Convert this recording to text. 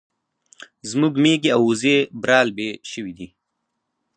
زموږ ميږي او وزې برالبې شوې دي